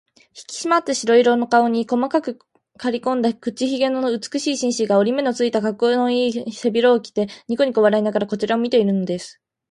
ひきしまった色白の顔に、細くかりこんだ口ひげの美しい紳士が、折り目のついた、かっこうのいい背広服を着て、にこにこ笑いながらこちらを見ているのです。